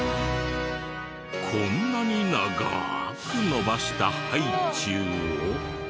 こんなに長く伸ばしたハイチュウを。